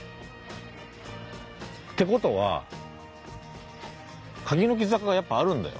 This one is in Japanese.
って事は柿の木坂がやっぱあるんだよ